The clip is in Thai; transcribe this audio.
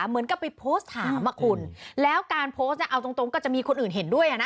เหมือนกับไปโพสต์ถามอ่ะคุณแล้วการโพสต์เนี่ยเอาตรงก็จะมีคนอื่นเห็นด้วยนะ